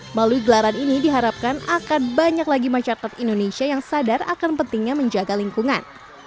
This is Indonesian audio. melalui gelaran ini diharapkan akan banyak lagi masyarakat indonesia yang sadar akan pentingnya menjaga lingkungan